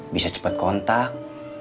bisa cepat kontak